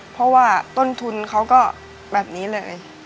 เพราะว่าต้นทุนเขาก็แบบนี้เลย